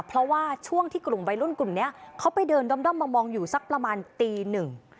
เพราะว่าช่วงที่กลุ่มวัยรุ่นกลุ่มนี้เขาไปเดินด้อมมามองอยู่สักประมาณตีหนึ่ง